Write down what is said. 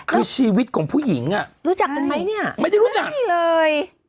คือชีวิตของผู้หญิงอ่ะรู้จักกันไหมเนี่ยไม่ได้รู้จักนี่เลย